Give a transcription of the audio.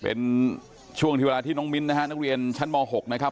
เป็นช่วงที่เวลาที่น้องมิ้นนะฮะนักเรียนชั้นม๖นะครับ